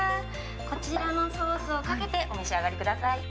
こちらのソースをかけてお召し上がりください。